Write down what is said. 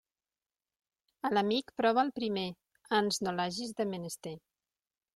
A l'amic prova'l primer, ans no l'hagis de menester.